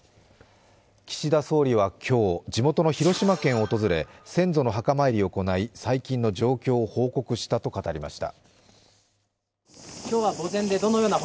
岸田総理は今日、地元の広島県を訪れ、先祖の墓参りを行い最近の状況を報告したと語りました。